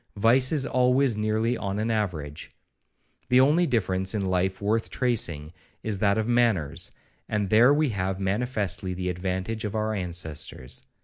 Vice is always nearly on an average: The only difference in life worth tracing, is that of manners, and there we have manifestly the advantage of our ancestors.